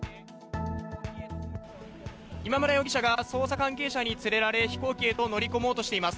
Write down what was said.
今村容疑者が、捜査関係者に連れられ、飛行機へと乗り込もうとしています。